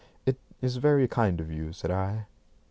"It is very kind of you," said I.